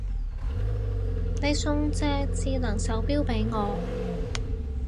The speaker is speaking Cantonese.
你送隻智能手錶俾我